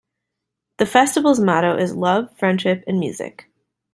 The festival's motto is "Love, Friendship, and Music".